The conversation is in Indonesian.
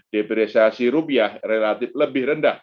depresiasi rupiah relatif lebih rendah